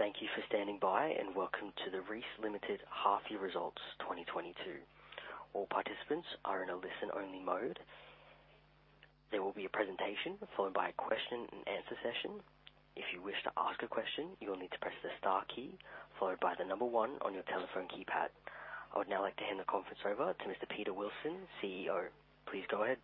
Thank you for standing by, and welcome to the Reece Limited half year results 2022. All participants are in a listen-only mode. There will be a presentation followed by a question-and-answer session. If you wish to ask a question, you will need to press the star key followed by the number one on your telephone keypad. I would now like to hand the conference over to Mr. Peter Wilson, CEO. Please go ahead.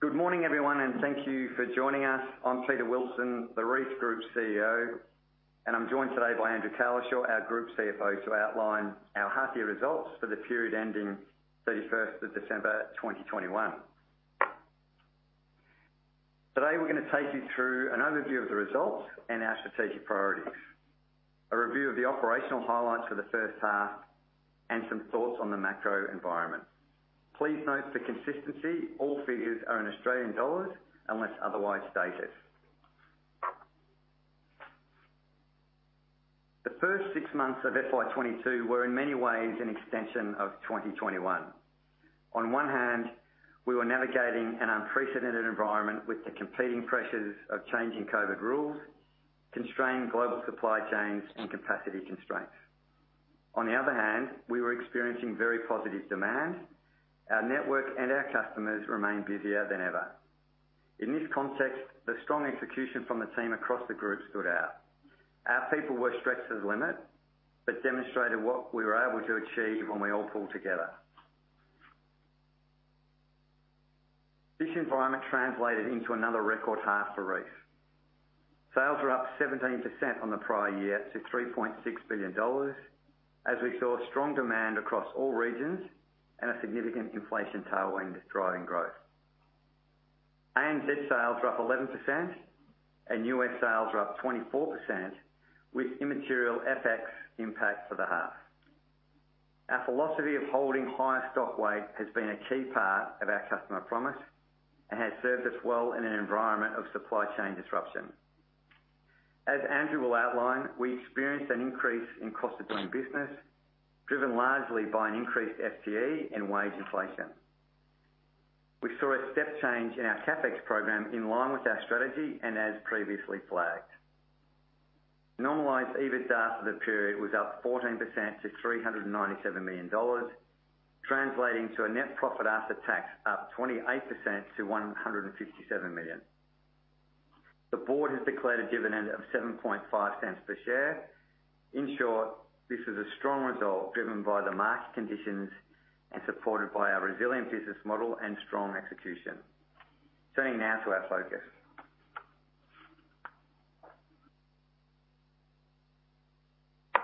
Good morning, everyone, and thank you for joining us. I'm Peter Wilson, the Reece Group CEO, and I'm joined today by Andrew Cowlishaw, our Group CFO, to outline our half year results for the period ending 31st of December, 2021. Today we're gonna take you through an overview of the results and our strategic priorities, a review of the operational highlights for the first half, and some thoughts on the macro environment. Please note for consistency, all figures are in Australian dollars unless otherwise stated. The first six months of FY 2022 were in many ways an extension of 2021. On one hand, we were navigating an unprecedented environment with the competing pressures of changing COVID rules, constrained global supply chains and capacity constraints. On the other hand, we were experiencing very positive demand. Our network and our customers remained busier than ever. In this context, the strong execution from the team across the group stood out. Our people were stretched to the limit, but demonstrated what we were able to achieve when we all pulled together. This environment translated into another record half for Reece. Sales were up 17% on the prior year to 3.6 billion dollars, as we saw strong demand across all regions and a significant inflation tailwind driving growth. ANZ sales were up 11% and U.S. sales were up 24% with immaterial FX impact for the half. Our philosophy of holding higher stock weight has been a key part of our customer promise and has served us well in an environment of supply chain disruption. As Andrew will outline, we experienced an increase in cost of doing business, driven largely by an increased FTE and wage inflation. We saw a step change in our CapEx program in line with our strategy and as previously flagged. Normalized EBIT after the period was up 14% to 397 million dollars, translating to a net profit after tax up 28% to 157 million. The board has declared a dividend of 0.75 per share. In short, this is a strong result driven by the market conditions and supported by our resilient business model and strong execution. Turning now to our focus.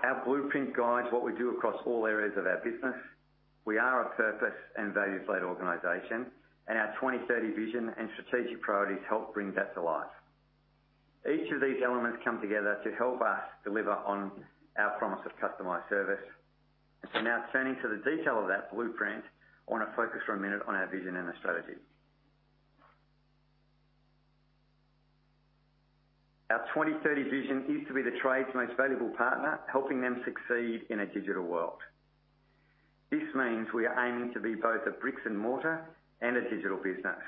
Our blueprint guides what we do across all areas of our business. We are a purpose and values-led organization, and our 2030 vision and strategic priorities help bring that to life. Each of these elements come together to help us deliver on our promise of customized service. Now turning to the detail of that blueprint, I wanna focus for a minute on our vision and our strategy. Our 2030 vision is to be the trade's most valuable partner, helping them succeed in a digital world. This means we are aiming to be both a bricks and mortar and a digital business,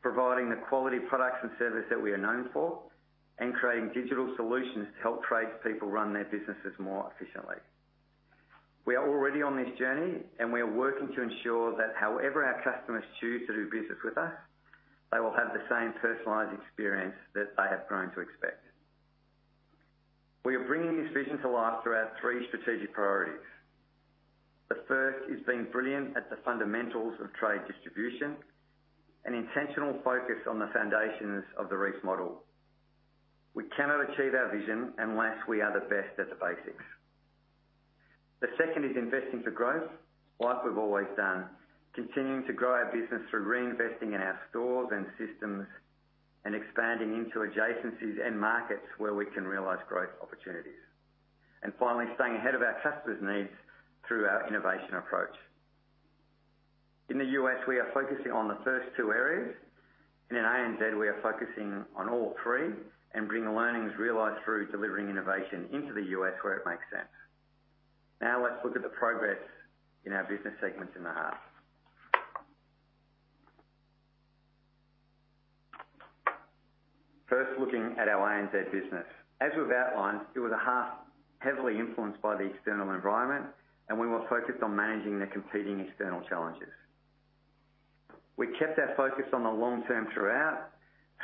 providing the quality products and service that we are known for, and creating digital solutions to help tradespeople run their businesses more efficiently. We are already on this journey, and we are working to ensure that however our customers choose to do business with us, they will have the same personalized experience that they have grown to expect. We are bringing this vision to life through our three strategic priorities. The first is being brilliant at the fundamentals of trade distribution, an intentional focus on the foundations of the Reece model. We cannot achieve our vision unless we are the best at the basics. The second is investing for growth like we've always done, continuing to grow our business through reinvesting in our stores and systems and expanding into adjacencies and markets where we can realize growth opportunities. Finally, staying ahead of our customers' needs through our innovation approach. In the U.S., we are focusing on the first two areas, and in ANZ we are focusing on all three and bring the learnings realized through delivering innovation into the U.S. where it makes sense. Now let's look at the progress in our business segments in the half. First, looking at our ANZ business. As we've outlined, it was a half heavily influenced by the external environment, and we were focused on managing the competing external challenges. We kept our focus on the long term throughout.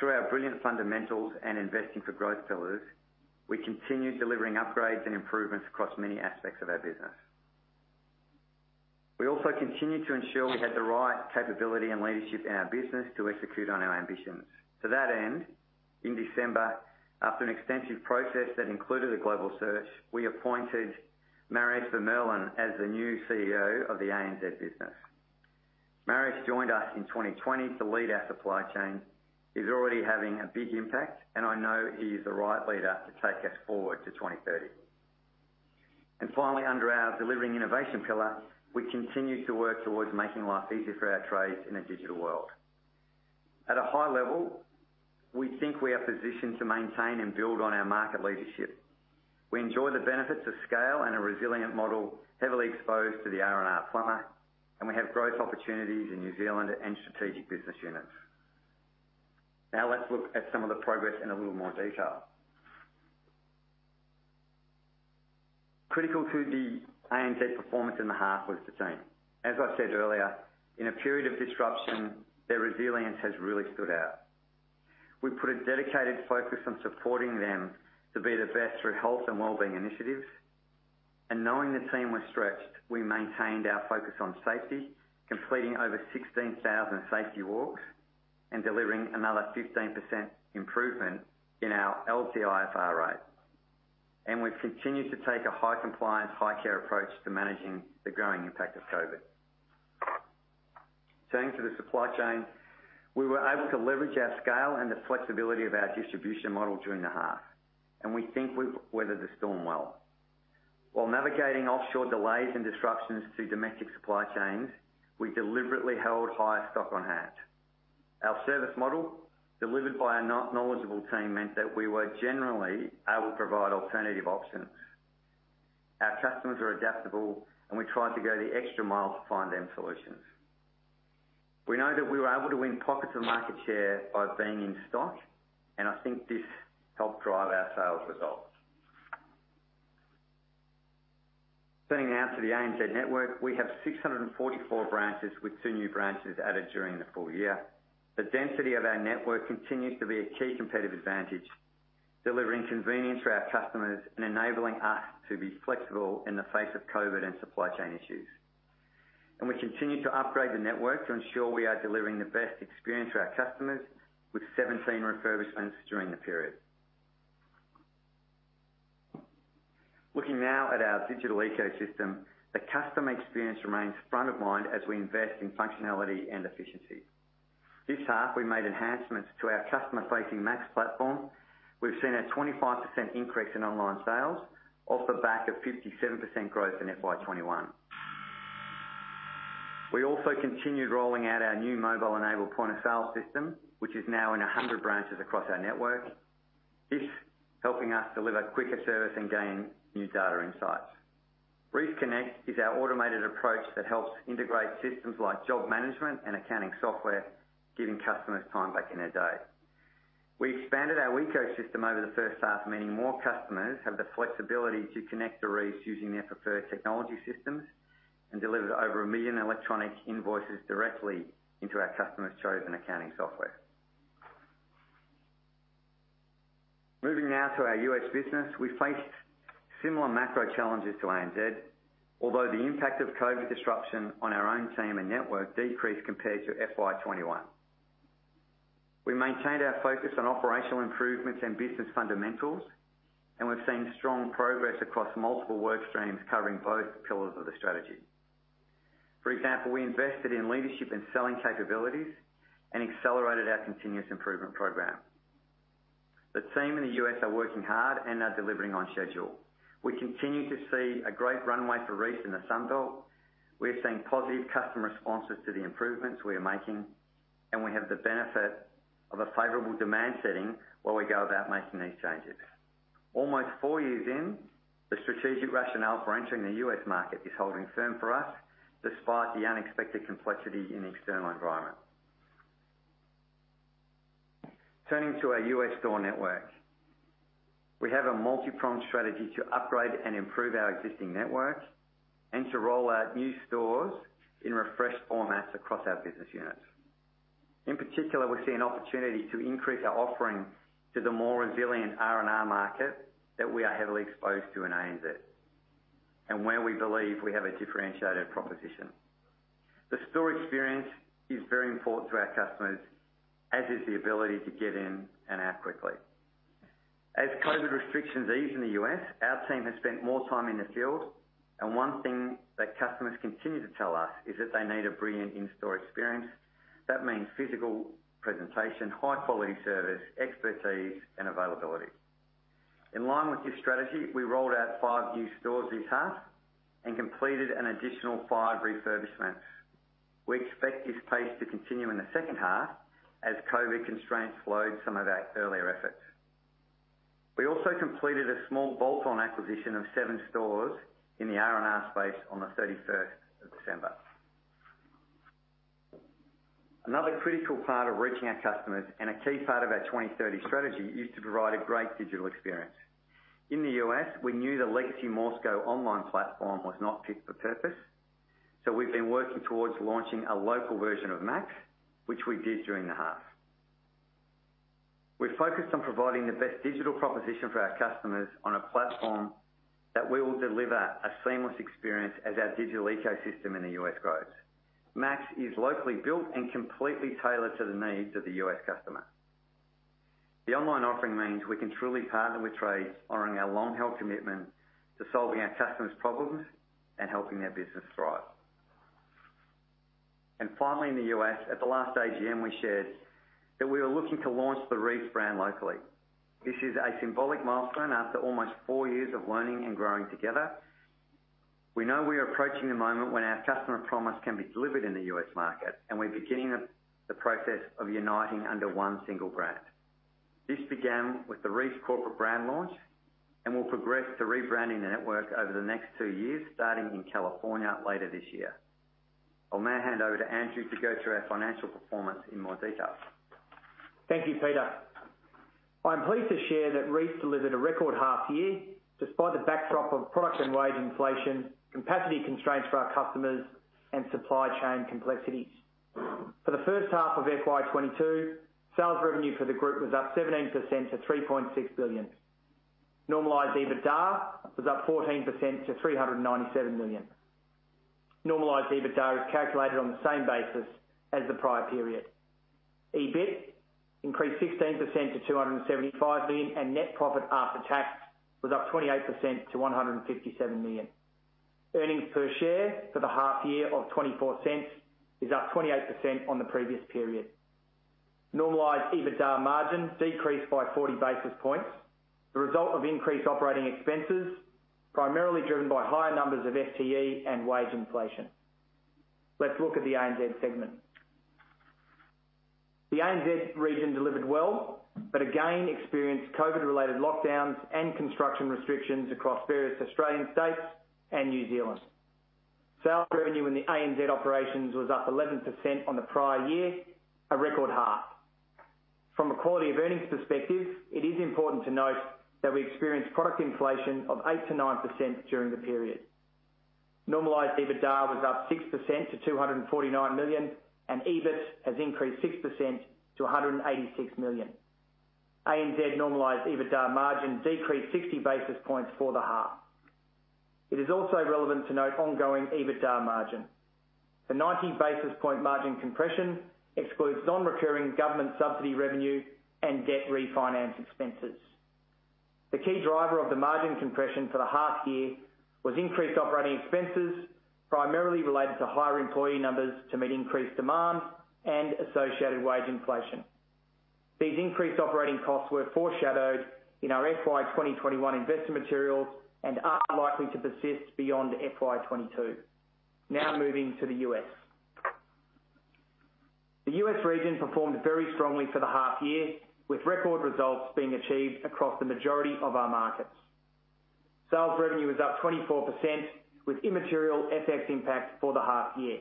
Through our brilliant fundamentals and investing for growth pillars, we continued delivering upgrades and improvements across many aspects of our business. We also continued to ensure we had the right capability and leadership in our business to execute on our ambitions. To that end, in December, after an extensive process that included a global search, we appointed Marius Vermeulen as the new CEO of the ANZ business. Marius joined us in 2020 to lead our supply chain. He's already having a big impact, and I know he is the right leader to take us forward to 2030. Finally, under our delivering innovation pillar, we continue to work towards making life easier for our trades in a digital world. At a high level, we think we are positioned to maintain and build on our market leadership. We enjoy the benefits of scale and a resilient model heavily exposed to the R&R plumber, and we have growth opportunities in New Zealand and strategic business units. Now let's look at some of the progress in a little more detail. Critical to the ANZ performance in the half was the team. As I said earlier, in a period of disruption, their resilience has really stood out. We put a dedicated focus on supporting them to be the best through health and well-being initiatives. Knowing the team was stretched, we maintained our focus on safety, completing over 16,000 safety walks and delivering another 15% improvement in our LTIFR rate. We've continued to take a high compliance, high care approach to managing the growing impact of COVID. Turning to the supply chain, we were able to leverage our scale and the flexibility of our distribution model during the half, and we think we've weathered the storm well. While navigating offshore delays and disruptions to domestic supply chains, we deliberately held higher stock on hand. Our service model, delivered by a knowledgeable team, meant that we were generally able to provide alternative options. Our customers are adaptable, and we tried to go the extra mile to find them solutions. We know that we were able to win pockets of market share by being in stock, and I think this helped drive our sales results. Turning now to the ANZ network. We have 644 branches, with two new branches added during the full year. The density of our network continues to be a key competitive advantage, delivering convenience for our customers and enabling us to be flexible in the face of COVID-19 and supply chain issues. We continue to upgrade the network to ensure we are delivering the best experience for our customers with 17 refurbishments during the period. Looking now at our digital ecosystem, the customer experience remains front of mind as we invest in functionality and efficiency. This half, we made enhancements to our customer-facing maX platform. We've seen a 25% increase in online sales off the back of 57% growth in FY 2021. We also continued rolling out our new mobile-enabled point of sale system, which is now in 100 branches across our network, helping us deliver quicker service and gain new data insights. Reece Connect is our automated approach that helps integrate systems like job management and accounting software, giving customers time back in their day. We expanded our ecosystem over the first half, meaning more customers have the flexibility to connect to Reece using their preferred technology systems, and delivered over 1 million electronic invoices directly into our customers' chosen accounting software. Moving now to our U.S. business. We faced similar macro challenges to ANZ, although the impact of COVID disruption on our own team and network decreased compared to FY 2021. We maintained our focus on operational improvements and business fundamentals, and we've seen strong progress across multiple work streams covering both pillars of the strategy. For example, we invested in leadership and selling capabilities and accelerated our continuous improvement program. The team in the U.S. are working hard and are delivering on schedule. We continue to see a great runway for Reece in the Sunbelt. We are seeing positive customer responses to the improvements we are making, and we have the benefit of a favorable demand setting while we go about making these changes. Almost four years in, the strategic rationale for entering the U.S. market is holding firm for us, despite the unexpected complexity in the external environment. Turning to our U.S. store network. We have a multi-pronged strategy to upgrade and improve our existing network and to roll out new stores in refreshed formats across our business units. In particular, we see an opportunity to increase our offering to the more resilient R&R market that we are heavily-exposed to in ANZ, and where we believe we have a differentiated proposition. The store experience is very important to our customers as is the ability to get in and out quickly. As COVID restrictions ease in the U.S., our team has spent more time in the field, and one thing that customers continue to tell us is that they need a brilliant in-store experience. That means physical presentation, high quality service, expertise, and availability. In line with this strategy, we rolled out five new stores this half and completed an additional 5 refurbishments. We expect this pace to continue in the second half as COVID constraints slowed some of our earlier efforts. We also completed a small bolt-on acquisition of 7 stores in the R&R space on the thirty-first of December. Another critical part of reaching our customers, and a key part of our 2030 strategy, is to provide a great digital experience. In the U.S., we knew the legacy MORSCO online platform was not fit for purpose, so we've been working towards launching a local version of maX, which we did during the half. We're focused on providing the best digital proposition for our customers on a platform that will deliver a seamless experience as our digital ecosystem in the U.S. grows. maX is locally built and completely tailored to the needs of the U.S. customer. The online offering means we can truly partner with trades, honoring our long-held commitment to solving our customers' problems and helping their business thrive. Finally, in the U.S., at the last AGM, we shared that we were looking to launch the Reece brand locally. This is a symbolic milestone after almost four years of learning and growing together. We know we are approaching the moment when our customer promise can be delivered in the U.S. market, and we're beginning the process of uniting under one single brand. This began with the Reece corporate brand launch and will progress to rebranding the network over the next two years, starting in California later this year. I'll now hand over to Andrew to go through our financial performance in more detail. Thank you, Peter. I'm pleased to share that Reece delivered a record half year despite the backdrop of product and wage inflation, capacity constraints for our customers, and supply chain complexities. For the first half of FY 2022, sales revenue for the group was up 17% to 3.6 billion. Normalized EBITDA was up 14% to 397 million. Normalized EBITDA is calculated on the same basis as the prior period. EBIT increased 16% to 275 million, and net profit after tax was up 28% to 157 million. Earnings per share for the half year of 0.24 is up 28% on the previous period. Normalized EBITDA margin decreased by 40 basis points, the result of increased operating expenses, primarily driven by higher numbers of FTE and wage inflation. Let's look at the ANZ segment. The ANZ region delivered well, but again experienced COVID-19-related lockdowns and construction restrictions across various Australian states and New Zealand. Sales revenue in the ANZ operations was up 11% on the prior year, a record high. From a quality of earnings perspective, it is important to note that we experienced product inflation of 8%-9% during the period. Normalized EBITDA was up 6% to 249 million, and EBIT has increased 6% to 186 million. ANZ normalized EBITDA margin decreased 60 basis points for the half. It is also relevant to note ongoing EBITDA margin. The 90 basis points margin compression excludes non-recurring government subsidy revenue and debt refinance expenses. The key driver of the margin compression for the half year was increased operating expenses, primarily related to higher employee numbers to meet increased demand and associated wage inflation. These increased operating costs were foreshadowed in our FY 2021 investor materials and are likely to persist beyond FY 2022. Now moving to the U.S. The U.S. region performed very strongly for the half year, with record results being achieved across the majority of our markets. Sales revenue was up 24% with immaterial FX impact for the half year.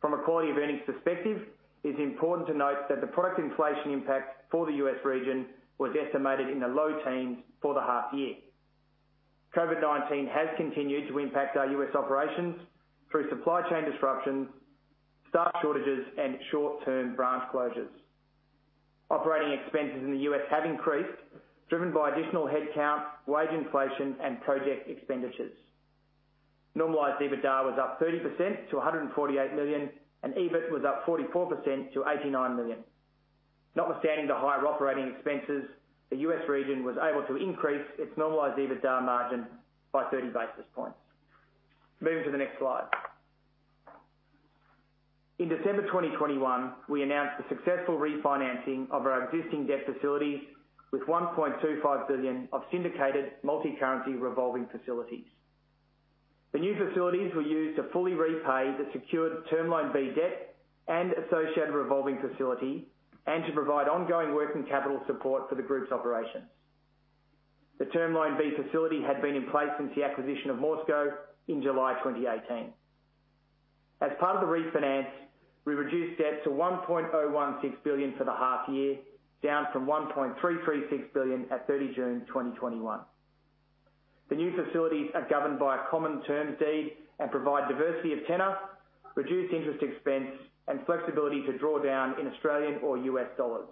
From a quality of earnings perspective, it is important to note that the product inflation impact for the U.S. region was estimated in the low teens for the half year. COVID-19 has continued to impact our U.S. operations through supply chain disruptions, staff shortages, and short-term branch closures. Operating expenses in the U.S. have increased, driven by additional headcount, wage inflation, and project expenditures. Normalized EBITDA was up 30% to $148 million, and EBIT was up 44% to $89 million. Notwithstanding the higher operating expenses, the U.S. region was able to increase its normalized EBITDA margin by 30 basis points. Moving to the next slide. In December 2021, we announced the successful refinancing of our existing debt facilities with 1.25 billion of syndicated multicurrency revolving facilities. The new facilities were used to fully repay the secured Term Loan B debt and associated revolving facility and to provide ongoing working capital support for the group's operations. The Term Loan B facility had been in place since the acquisition of MORSCO in July 2018. As part of the refinance, we reduced debt to 1.016 billion for the half year, down from 1.336 billion at 30 June 2021. The new facilities are governed by a common term deed and provide diversity of tenor, reduced interest expense, and flexibility to draw down in Australian or U.S. dollars.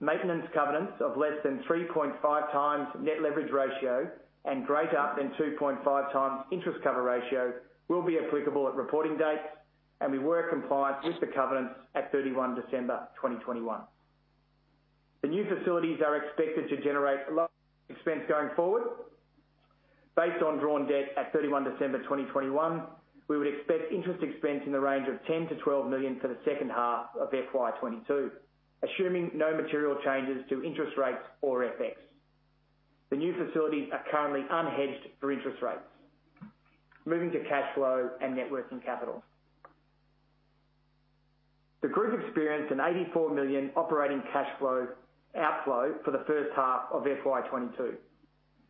Maintenance covenants of less than 3.5x net leverage ratio and greater than 2.5x interest cover ratio will be applicable at reporting dates, and we were compliant with the covenants at 31 December 2021. The new facilities are expected to generate low expense going forward. Based on drawn debt at 31 December 2021, we would expect interest expense in the range of 10 million-12 million for the second half of FY 2022, assuming no material changes to interest rates or FX. The new facilities are currently unhedged for interest rates. Moving to cash flow and net working capital. The group experienced an 84 million operating cash flow outflow for the first half of FY 2022.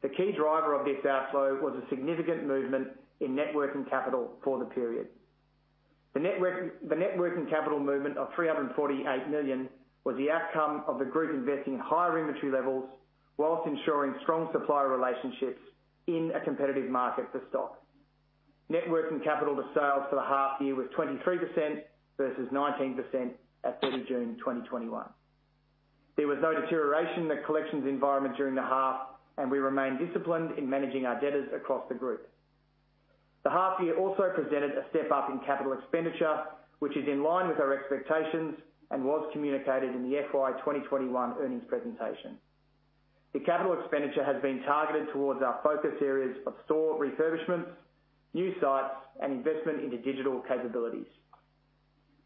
The key driver of this outflow was a significant movement in net working capital for the period. The net working capital movement of 348 million was the outcome of the group investing in higher inventory levels while ensuring strong supplier relationships in a competitive market for stock. Net working capital to sales for the half year was 23% versus 19% at 30 June 2021. There was no deterioration in the collections environment during the half, and we remain disciplined in managing our debtors across the group. The half year also presented a step up in capital expenditure, which is in line with our expectations and was communicated in the FY 2021 earnings presentation. The capital expenditure has been targeted towards our focus areas of store refurbishments, new sites, and investment into digital capabilities.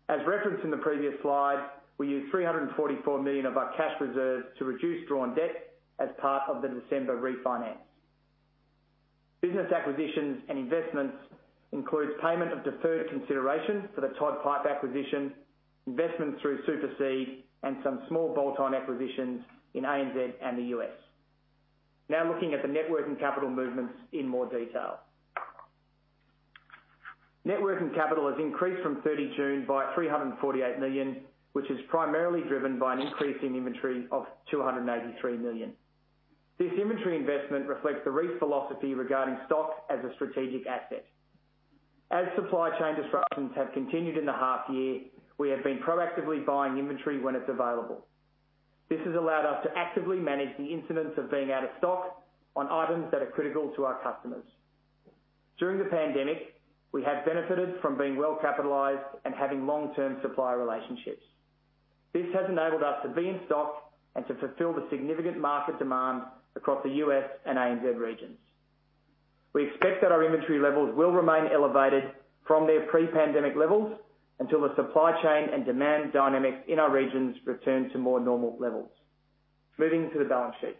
As referenced in the previous slide, we used 344 million of our cash reserves to reduce drawn debt as part of the December refinance. Business acquisitions and investments includes payment of deferred consideration for the Todd Pipe & Supply acquisition, investments through Superseed and some small bolt-on acquisitions in ANZ and the U.S. Now looking at the net working capital movements in more detail. Net working capital has increased from 30 June by 348 million, which is primarily driven by an increase in inventory of 283 million. This inventory investment reflects the Reece philosophy regarding stock as a strategic asset. As supply chain disruptions have continued in the half year, we have been proactively buying inventory when it's available. This has allowed us to actively manage the incidents of being out of stock on items that are critical to our customers. During the pandemic, we have benefited from being well-capitalized and having long-term supplier relationships. This has enabled us to be in stock and to fulfill the significant market demand across the U.S. and ANZ regions. We expect that our inventory levels will remain elevated from their pre-pandemic levels until the supply chain and demand dynamics in our regions return to more normal levels. Moving to the balance sheet.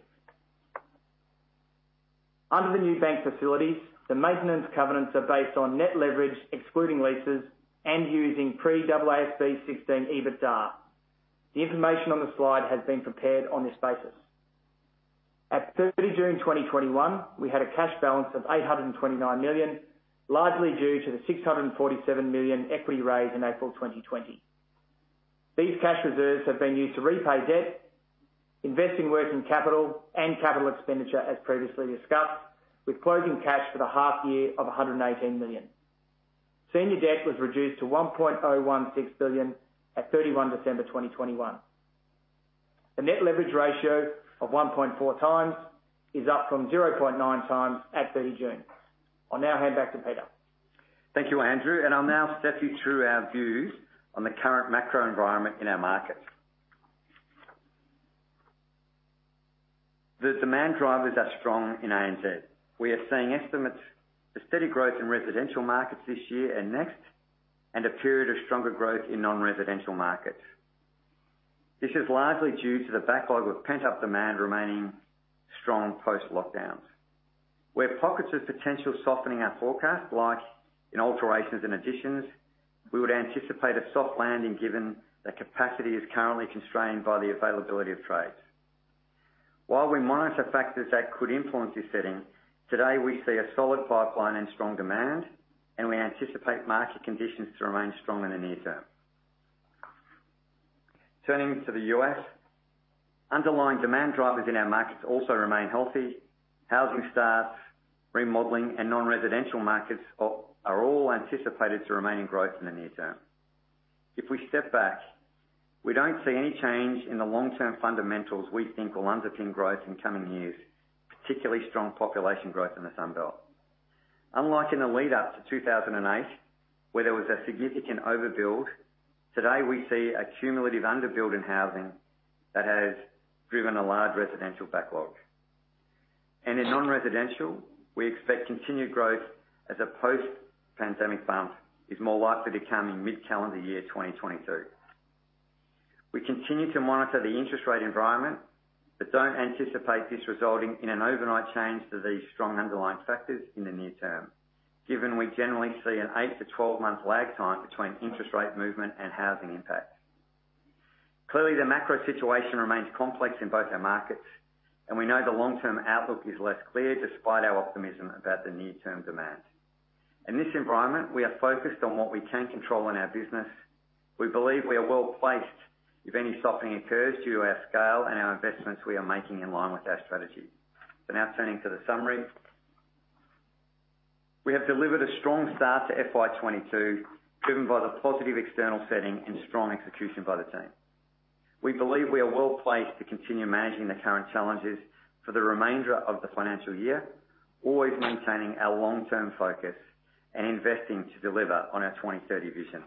Under the new bank facilities, the maintenance covenants are based on net leverage excluding leases and using pre-AASB 16 EBITDA. The information on the slide has been prepared on this basis. At 30 June 2021, we had a cash balance of 829 million, largely due to the 647 million equity raise in April 2020. These cash reserves have been used to repay debt, invest in working capital and capital expenditure as previously discussed, with closing cash for the half year of 118 million. Senior debt was reduced to 1.016 billion at 31 December 2021. The net leverage ratio of 1.4x is up from 0.9 times at 30 June. I'll now hand back to Peter. Thank you, Andrew, and I'll now step you through our views on the current macro environment in our markets. The demand drivers are strong in ANZ. We are seeing estimates for steady growth in residential markets this year and next, and a period of stronger growth in non-residential markets. This is largely due to the backlog of pent-up demand remaining strong post-lockdowns. Where pockets of potential softening are forecast, like in alterations and additions, we would anticipate a soft landing given that capacity is currently constrained by the availability of trades. While we monitor factors that could influence this setting, today, we see a solid pipeline and strong demand, and we anticipate market conditions to remain strong in the near term. Turning to the U.S., underlying demand drivers in our markets also remain healthy. Housing starts, remodeling, and non-residential markets are all anticipated to remain in growth in the near term. If we step back, we don't see any change in the long-term fundamentals we think will underpin growth in coming years, particularly strong population growth in the Sun Belt. Unlike in the lead up to 2008, where there was a significant overbuild, today, we see a cumulative underbuild in housing that has driven a large residential backlog. In non-residential, we expect continued growth as a post-pandemic bump is more likely to come in mid-calendar year 2023. We continue to monitor the interest rate environment, but don't anticipate this resulting in an overnight change to these strong underlying factors in the near term, given we generally see an 8-12-month lag time between interest rate movement and housing impacts. Clearly, the macro situation remains complex in both our markets, and we know the long-term outlook is less clear despite our optimism about the near-term demand. In this environment, we are focused on what we can control in our business. We believe we are well-placed if any softening occurs due to our scale and our investments we are making in line with our strategy. Now turning to the summary. We have delivered a strong start to FY 2022, driven by the positive external setting and strong execution by the team. We believe we are well-placed to continue managing the current challenges for the remainder of the financial year, always maintaining our long-term focus and investing to deliver on our 2030 vision.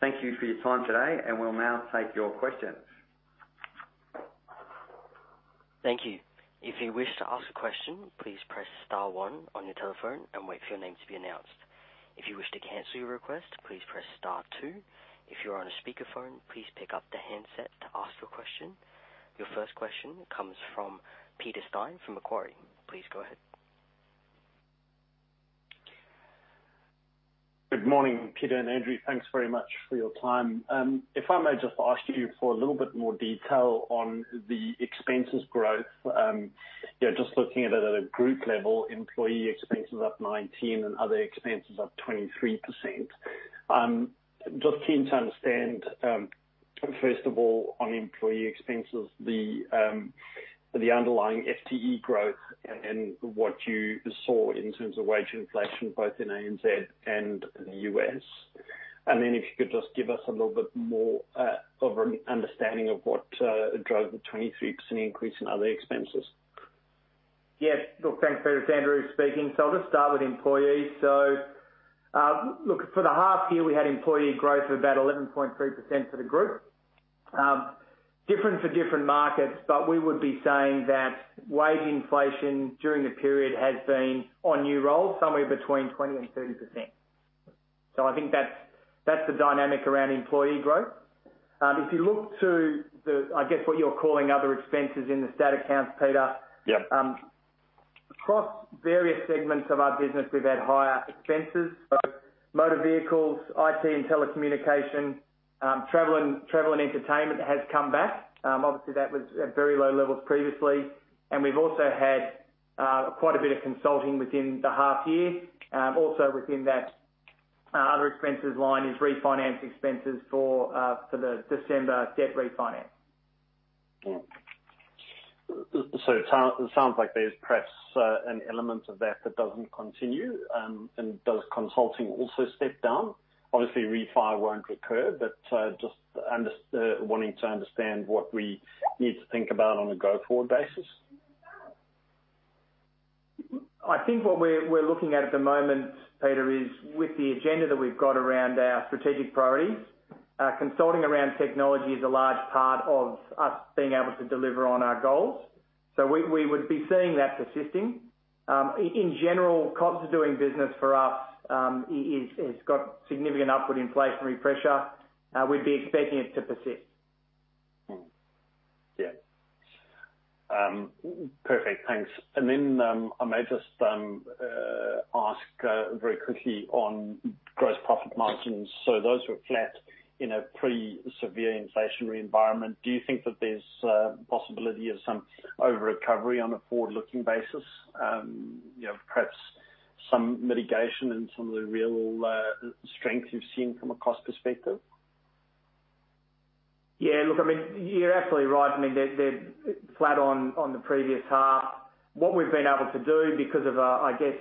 Thank you for your time today, and we'll now take your questions. Thank you. If you wish to ask a question, please press star one on your telephone and wait for your name to be announced. If you wish to cancel your request, please press star two. If you are on a speakerphone, please pick up the handset to ask your question. Your first question comes from Peter Steyn from Macquarie. Please go ahead. Good morning, Peter and Andrew. Thanks very much for your time. If I may just ask you for a little bit more detail on the expenses growth. You know, just looking at it at a group level, employee expenses up 19 and other expenses up 23%. Just keen to understand, first of all, on employee expenses, the underlying FTE growth and what you saw in terms of wage inflation both in ANZ and the U.S. If you could just give us a little bit more of an understanding of what drove the 23% increase in other expenses. Yeah. Look, thanks, Peter. It's Andrew speaking. I'll just start with employees. Look, for the half year, we had employee growth of about 11.3% for the group. Different for different markets, but we would be saying that wage inflation during the period has been on new roles, somewhere between 20%-30%. I think that's the dynamic around employee growth. If you look to the, I guess, what you're calling other expenses in the statutory accounts, Peter. Yep. Across various segments of our business, we've had higher expenses. Motor vehicles, IT and telecommunication, travel and entertainment has come back. Obviously that was at very low levels previously. We've also had quite a bit of consulting within the half year. Also within that, other expenses line is refinance expenses for the December debt refinance. It sounds like there's perhaps an element of that that doesn't continue, and does consulting also step down? Obviously, refi won't recur, but wanting to understand what we need to think about on a go-forward basis. I think what we're looking at the moment, Peter, is with the agenda that we've got around our strategic priorities, consulting around technology is a large part of us being able to deliver on our goals. We would be seeing that persisting. In general, cost of doing business for us is got significant upward inflationary pressure. We'd be expecting it to persist. Yes. Perfect. Thanks. I may just ask very quickly on gross profit margins. So those were flat in a pretty severe inflationary environment. Do you think that there's a possibility of some over recovery on a forward-looking basis? You know, perhaps some mitigation in some of the real strength you've seen from a cost perspective. Yeah, look, I mean, you're absolutely right. I mean, they're flat on the previous half. What we've been able to do because of our I guess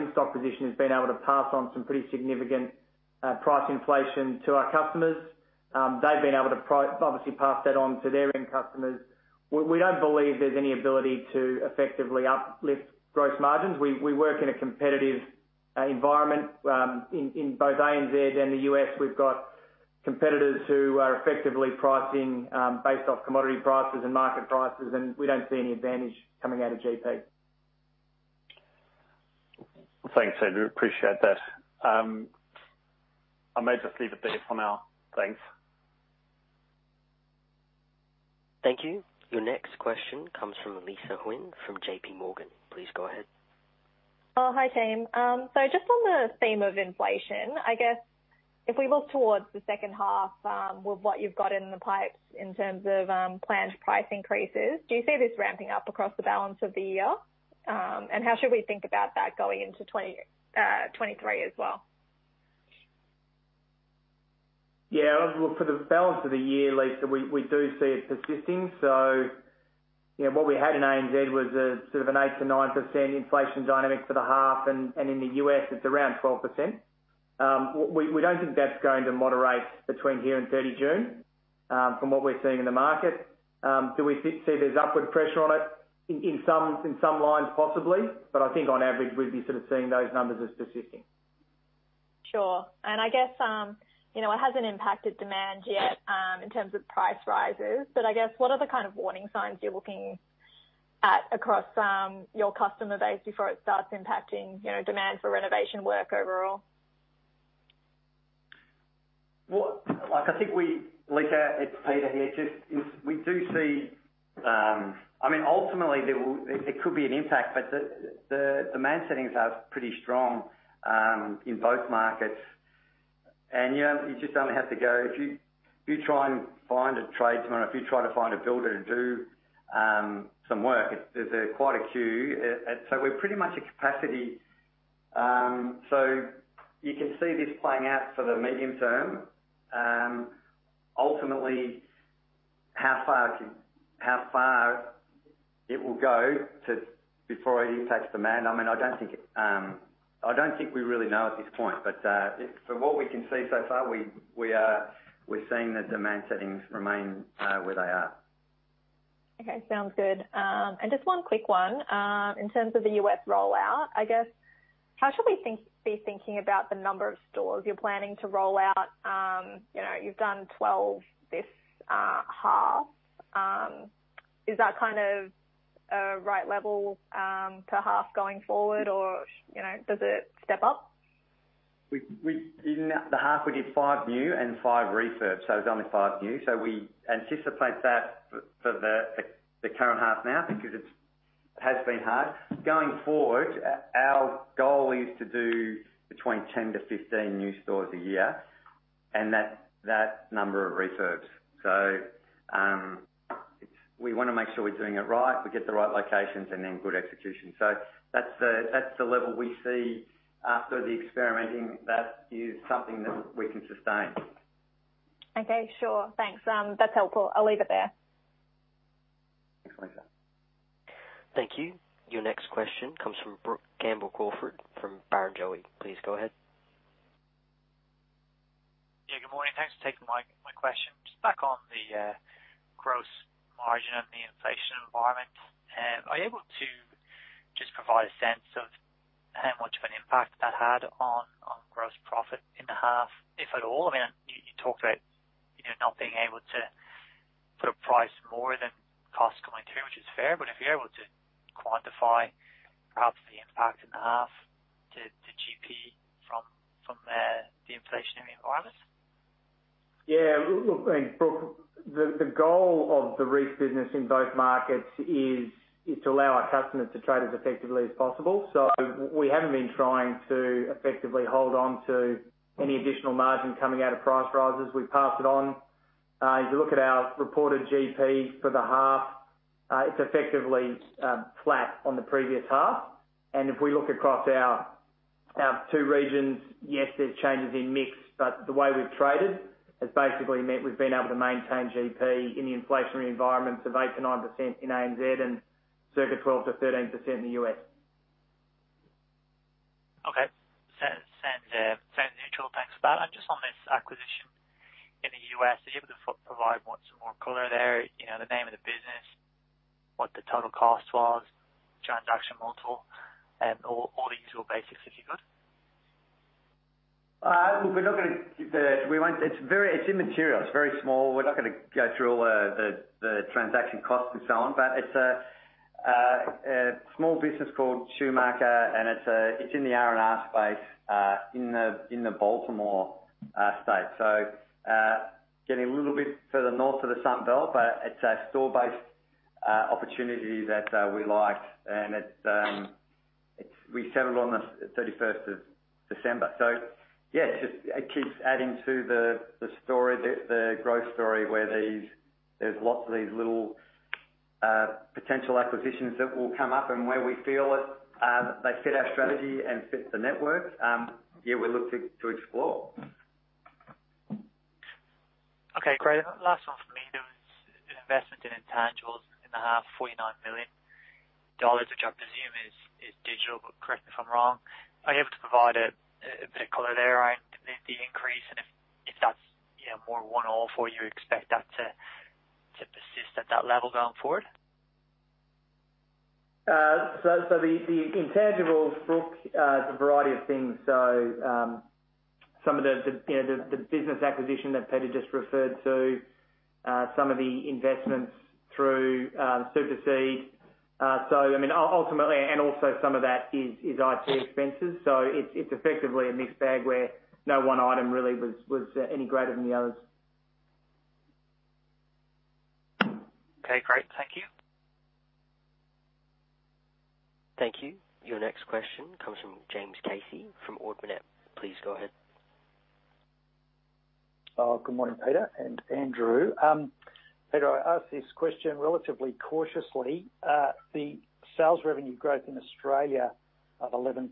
in-stock position has been able to pass on some pretty significant price inflation to our customers. They've been able to obviously pass that on to their end customers. We don't believe there's any ability to effectively uplift gross margins. We work in a competitive environment in both ANZ and the U.S. We've got competitors who are effectively pricing based off commodity prices and market prices, and we don't see any advantage coming out of GP. Thanks, Andrew. Appreciate that. I may just leave it there for now. Thanks. Thank you. Your next question comes from Lisa Huynh from JPMorgan. Please go ahead. Oh, hi, team. Just on the theme of inflation, I guess if we look towards the second half, with what you've got in the pipes in terms of planned price increases, do you see this ramping up across the balance of the year? And how should we think about that going into 2023 as well? Yeah. Look, for the balance of the year, Lisa, we do see it persisting. You know, what we had in ANZ was a sort of an 8%-9% inflation dynamic for the half, and in the U.S. it's around 12%. We don't think that's going to moderate between here and 30 June, from what we're seeing in the market. Do we see there's upward pressure on it? In some lines, possibly, but I think on average, we'd be sort of seeing those numbers as persisting. Sure. I guess, you know, it hasn't impacted demand yet, in terms of price rises, but I guess what are the kind of warning signs you're looking at across your customer base before it starts impacting, you know, demand for renovation work overall? I think, Lisa, it's Peter here. Just if we do see, I mean, ultimately it could be an impact, but the demand settings are pretty strong in both markets. You know, you just only have to go, if you try and find a tradesman or if you try to find a builder to do some work, there's quite a queue. So we're pretty much at capacity. You can see this playing out for the medium term. Ultimately, how far it will go before it impacts demand, I mean, I don't think we really know at this point. From what we can see so far, we're seeing the demand settings remain where they are. Okay. Sounds good. Just one quick one. In terms of the U.S. rollout, I guess, how should we be thinking about the number of stores you're planning to roll out? You know, you've done 12 this half, is that kind of a right level to half going forward? Or, you know, does it step up? In the half, we did five new and five refurbs, so it's only five new. We anticipate that for the current half now because it's been hard. Going forward, our goal is to do between 10-15 new stores a year and that number of refurbs. We wanna make sure we're doing it right, we get the right locations and then good execution. That's the level we see after the experimenting. That is something that we can sustain. Okay. Sure. Thanks. That's helpful. I'll leave it there. Thanks, Lisa. Thank you. Your next question comes from Brook Campbell-Crawford from Barrenjoey. Please go ahead. Yeah, good morning. Thanks for taking my question. Just back on the gross margin and the inflation environment. Are you able to just provide a sense of how much of impact that had on gross profit in the half, if at all. I mean, you talked about, you know, not being able to put a price more than cost coming through, which is fair. But if you're able to quantify perhaps the impact in the half to GP from the inflationary environment. Yeah. Look, I mean, Brook, the goal of the Reece business in both markets is to allow our customers to trade as effectively as possible. So we haven't been trying to effectively hold on to any additional margin coming out of price rises. We pass it on. If you look at our reported GP for the half, it's effectively flat on the previous half. If we look across our two regions, yes, there's changes in mix, but the way we've traded has basically meant we've been able to maintain GP in the inflationary environments of 8%-9% in ANZ and circa 12%-13% in the U.S. Okay. Sounds neutral. Thanks for that. Just on this acquisition in the U.S., are you able to provide some more color there, you know, the name of the business, what the total cost was, transaction multiple, all the usual basics, if you could? It's immaterial. It's very small. We're not gonna go through all the transaction costs and so on, but it's a small business called Schumacher, and it's in the R&R space, in the Baltimore state. Getting a little bit further north of the Sun Belt, but it's a store-based opportunity that we liked. It's we settled on the 31st of December. It just keeps adding to the growth story where these there's lots of these little potential acquisitions that will come up and where we feel that they fit our strategy and fit the network. We look to explore. Okay, great. Last one for me, there was an investment in intangibles in the half, 49 million dollars, which I presume is digital, but correct me if I'm wrong. Are you able to provide a bit of color there on the increase and if that's, you know, more one-off or you expect that to persist at that level going forward? The intangibles, Brook, is a variety of things. Some of the, you know, the business acquisition that Peter just referred to, some of the investments through SuperSeed. I mean, ultimately and also some of that is IT expenses. It's effectively a mixed bag where no one item really was any greater than the others. Okay, great. Thank you. Thank you. Your next question comes from James Casey from Ord Minnett. Please go ahead. Oh, good morning, Peter and Andrew. Peter, I ask this question relatively cautiously. The sales revenue growth in Australia of 11%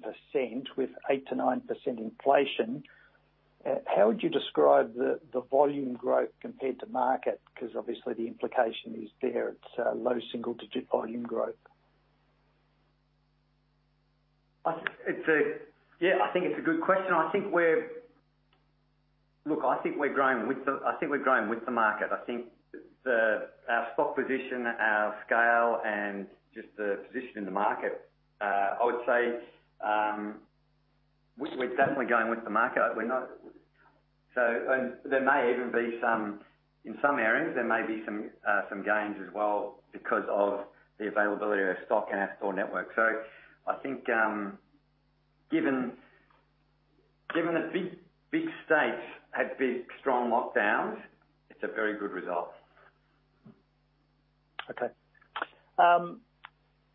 with 8%-9% inflation, how would you describe the volume growth compared to market? Because obviously the implication is there, it's low single digit volume growth. I think it's a good question. I think we're growing with the market. Our stock position, our scale, and just the position in the market, I would say, we're definitely going with the market. There may even be some gains in some areas because of the availability of stock in our store network. I think given the big states had big, strong lockdowns, it's a very good result. Okay.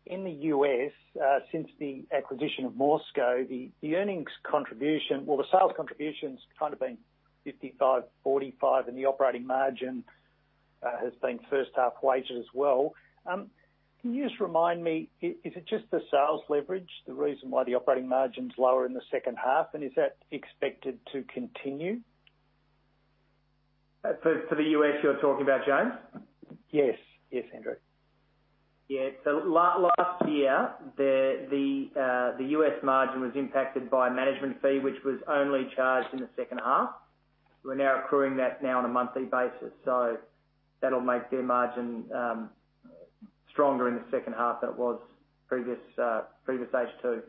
In the U.S., since the acquisition of MORSCO, the sales contribution's kind of been 55-45, and the operating margin has been worse in the first half as well. Can you just remind me, is it just the sales leverage, the reason why the operating margin's lower in the second half, and is that expected to continue? For the U.S., you're talking about, James? Yes. Yes, Andrew. Last year, the U.S. margin was impacted by a management fee which was only charged in the second half. We're now accruing that on a monthly basis, so that'll make their margin stronger in the second half than it was previous H2.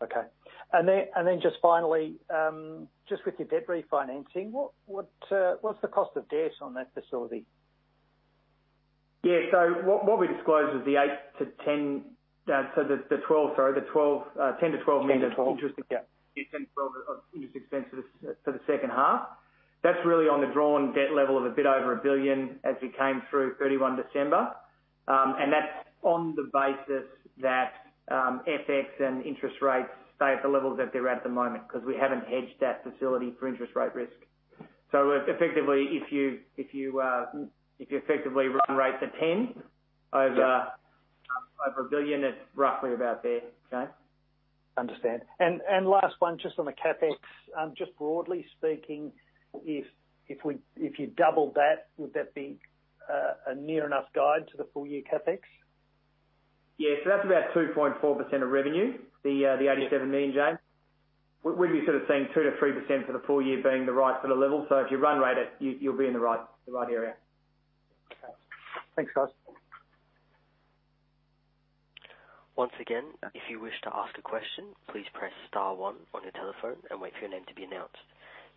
Okay. Just finally, just with your debt refinancing, what's the cost of debt on that facility? What we disclosed was 10-12- 10-12. Months of interest, 10-12 of interest expense for the second half. That's really on the drawn debt level of a bit over 1 billion as we came through 31 December. And that's on the basis that FX and interest rates stay at the levels that they're at the moment, 'cause we haven't hedged that facility for interest rate risk. Effectively, if you effectively run rate the 10 over a billion, it's roughly about there, James. Understand. Last one, just on the CapEx, just broadly speaking, if you doubled that, would that be a near enough guide to the full year CapEx? Yeah. That's about 2.4% of revenue, the 87 million, James. We'd be sort of seeing 2%-3% for the full year being the right sort of level. If you run rate it, you'll be in the right area. Thanks, guys.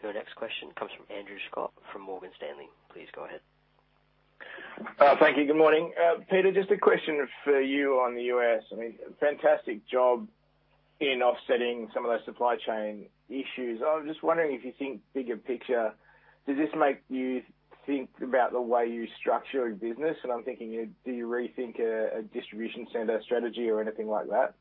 Your next question comes from Andrew Scott from Morgan Stanley. Please go ahead. Thank you. Good morning. Peter, just a question for you on the U.S. I mean, fantastic job in offsetting some of those supply chain issues. I was just wondering if you think bigger picture, does this make you think about the way you structure your business? I'm thinking, do you rethink a distribution center strategy or anything like that?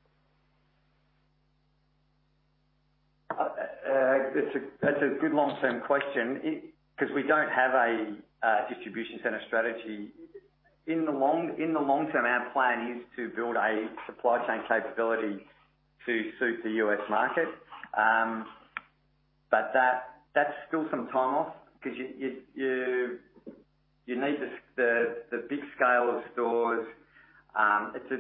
That's a good long-term question 'cause we don't have a distribution center strategy. In the long term, our plan is to build a supply chain capability to suit the U.S. market. But that's still some time off 'cause you need the big scale of stores. It's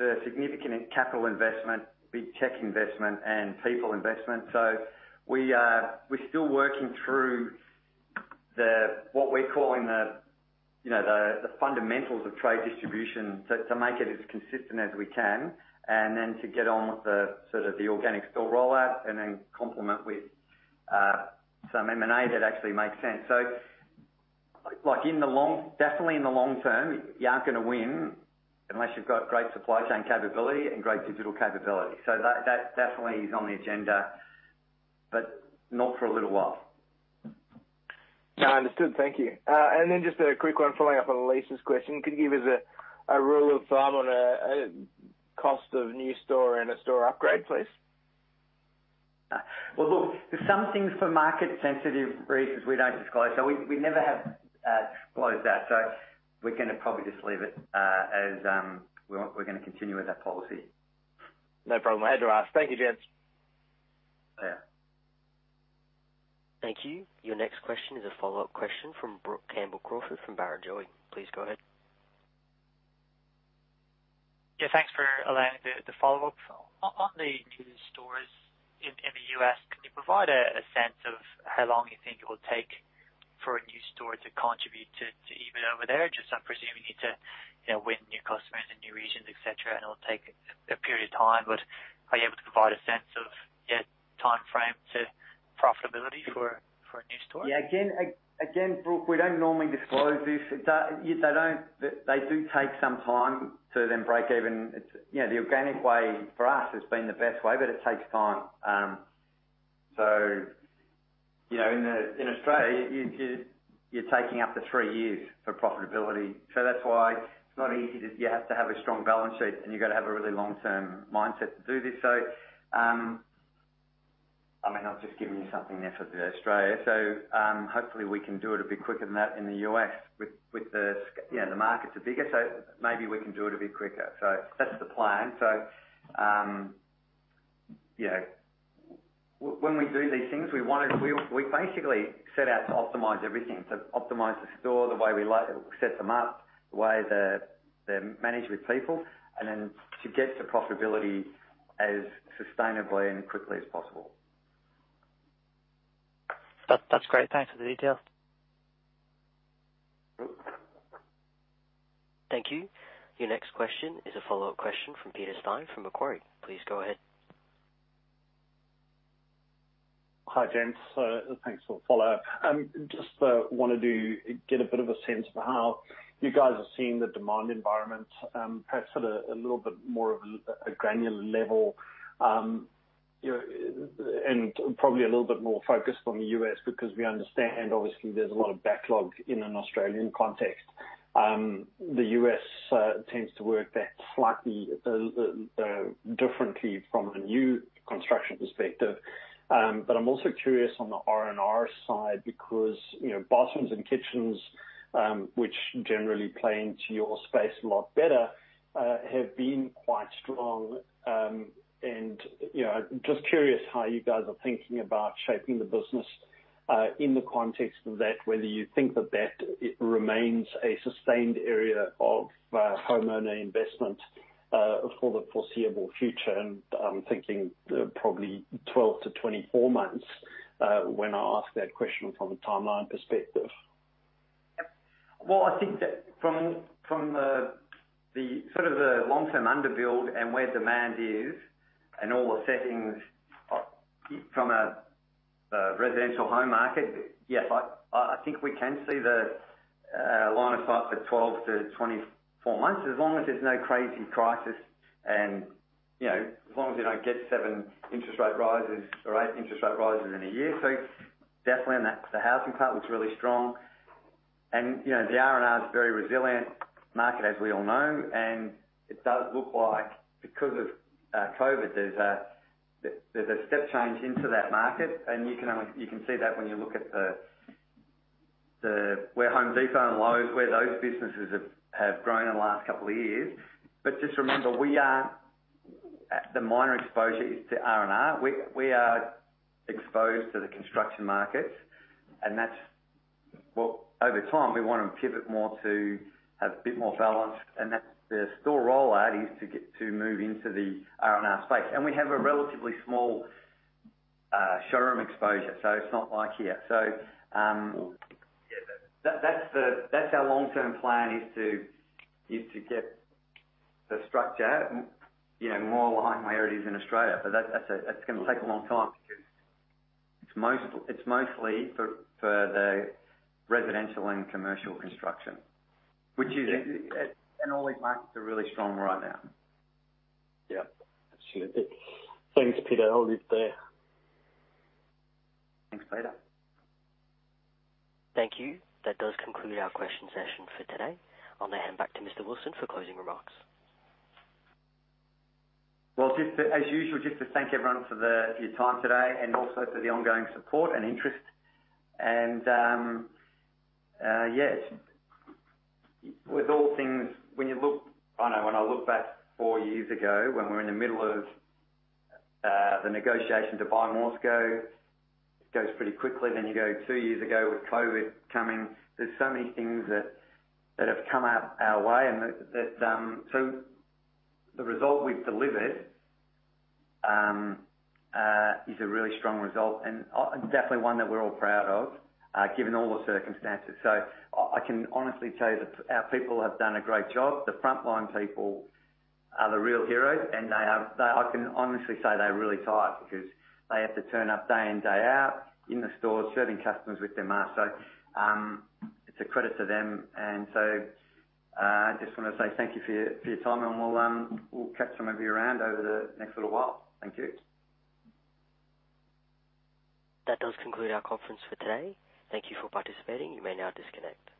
a significant capital investment, big check investment, and people investment. We're still working through what we're calling, you know, the fundamentals of trade distribution to make it as consistent as we can and then to get on with the organic store rollout and then complement with some M&A that actually makes sense. Like, definitely in the long term, you aren't gonna win unless you've got great supply chain capability and great digital capability. That definitely is on the agenda, but not for a little while. No, understood. Thank you. Just a quick one following up on Lisa's question. Could you give us a rule of thumb on a cost of a new store and a store upgrade, please? Well, look, there's some things for market sensitive reasons we don't disclose. We never have disclosed that. We're gonna probably just leave it as we're gonna continue with that policy. No problem. I had to ask. Thank you, James. Yeah. Thank you. Your next question is a follow-up question from Brook Campbell-Crawford from Barrenjoey. Please go ahead. Yeah, thanks for allowing the follow-up. On the new stores in the U.S., can you provide a sense of how long you think it will take for a new store to contribute to breakeven over there? Just, I'm presuming you need to, you know, win new customers in new regions, etc, and it'll take a period of time. Are you able to provide a sense of, you know, timeframe to profitability for a new store? Yeah. Again, Brook, we don't normally disclose this. Yes, they do take some time to then break even. It's you know the organic way for us has been the best way, but it takes time. You know, in Australia, you're taking up to three years for profitability. That's why it's not easy to. You have to have a strong balance sheet, and you've gotta have a really long-term mindset to do this. I mean, I've just given you something there for the Australia. Hopefully we can do it a bit quicker than that in the U.S. You know, the markets are bigger, so maybe we can do it a bit quicker. That's the plan. You know, when we do these things, we basically set out to optimize everything. Optimize the store, the way we set them up, the way they're managed with people, and then to get to profitability as sustainably and quickly as possible. That, that's great. Thanks for the detail. Thank you. Your next question is a follow-up question from Peter Steyn from Macquarie. Please go ahead. Hi, James. Thanks for the follow-up. Just wanted to get a bit of a sense for how you guys are seeing the demand environment, perhaps at a little bit more granular level, you know, and probably a little bit more focused on the U.S. because we understand obviously there's a lot of backlog in an Australian context. The U.S. tends to work that slightly differently from a new construction perspective. I'm also curious on the R&R side because, you know, bathrooms and kitchens, which generally play into your space a lot better, have been quite strong. You know, just curious how you guys are thinking about shaping the business in the context of that, whether you think that remains a sustained area of homeowner investment for the foreseeable future? I'm thinking probably 12-24 months when I ask that question from a timeline perspective. Well, I think that from the sort of long-term underbuild and where demand is and all the settings from a residential home market, yes, I think we can see the line of sight for 12-24 months, as long as there's no crazy crisis and, you know, as long as you don't get seven interest rate rises or eight interest rate rises in a year. Definitely on that, the housing part looks really strong. You know, the R&R is a very resilient market, as we all know. It does look like because of COVID, there's a step change into that market. You can see that when you look at where Home Depot and Lowe's, where those businesses have grown in the last couple of years. Just remember, we have a minor exposure to R&R. We are exposed to the construction markets, and that's what over time we wanna pivot more to have a bit more balance, and that's what the store rollout is to get to move into the R&R space. We have a relatively small showroom exposure, so it's not like here. That's our long-term plan is to get the structure, you know, more like where it is in Australia. That's gonna take a long time because it's mostly for the residential and commercial construction, which is, and all these markets are really strong right now. Yeah. Sure. Thanks, Peter. I'll leave it there. Thanks, Peter. Thank you. That does conclude our question session for today. I'll now hand back to Mr. Wilson for closing remarks. Well, just as usual, just to thank everyone for your time today and also for the ongoing support and interest. I know when I look back four years ago, when we're in the middle of the negotiation to buy MORSCO, it goes pretty quickly. You go two years ago with COVID coming. There's so many things that have come our way and that. The result we've delivered is a really strong result and definitely one that we're all proud of, given all the circumstances. I can honestly say that our people have done a great job. The frontline people are the real heroes, and they are. I can honestly say they're really tired because they have to turn up day in, day out in the stores, serving customers with their masks. It's a credit to them. I just wanna say thank you for your time, and we'll catch some of you around over the next little while. Thank you. That does conclude our conference for today. Thank you for participating. You may now disconnect.